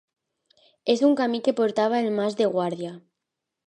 És un camí que portava al Mas de Guardià.